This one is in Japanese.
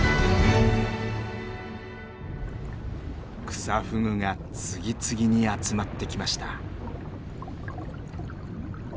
クサフグが次々に集まってきました。